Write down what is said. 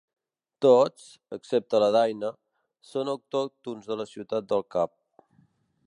Tots, excepte la daina, són autòctons de la ciutat del Cap.